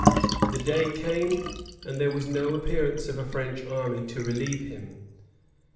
The day came, and there was no appearance of a French army to relieve him.